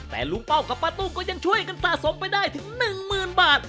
แต่ลุงเป้ากับป้าตู้ก็ยังช่วยกันสะสมไปได้ถึง๑๐๐๐บาท